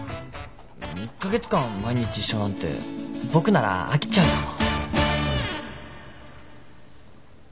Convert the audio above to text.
１カ月間毎日一緒なんて僕なら飽きちゃうかも。